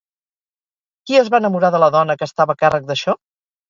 Qui es va enamorar de la dona que estava a càrrec d'això?